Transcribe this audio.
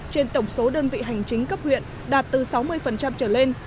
trên tổng số đơn vị hành chính cấp huyện đạt từ sáu mươi trở lên